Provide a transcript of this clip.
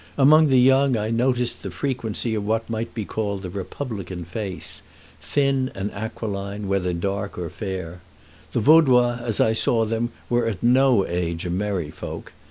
Among the young I noticed the frequency of what may be called the republican face thin and aquiline, whether dark or fair. The Vaudois as I saw them were at no age a merry folk.